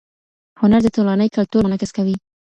هنر د ټولنې کلتور منعکس کوي.